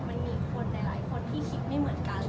มันมีคนหลายคนที่คิดไม่เหมือนกัน